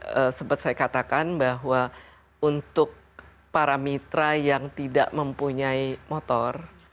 tadi sempat saya katakan bahwa untuk para mitra yang tidak mempunyai motor